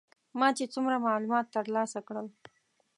ما چې څومره معلومات تر لاسه کړل.